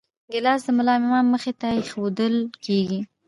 ګیلاس د ملا امام مخې ته ایښوول کېږي.